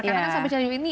karena kan sampai saat ini